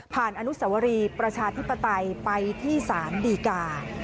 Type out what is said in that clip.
อนุสวรีประชาธิปไตยไปที่ศาลดีกา